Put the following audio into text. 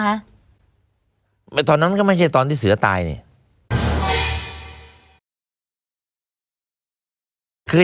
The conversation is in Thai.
ถ้ามันเป็นทางทำความผิดแล้วเราก็คงไม่เล่าเป็น